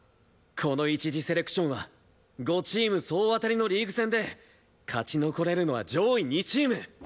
この一次セレクションは５チーム総当たりのリーグ戦で勝ち残れるのは上位２チーム！